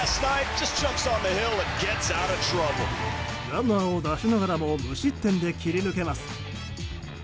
ランナーを出しながらも無失点で切り抜けます。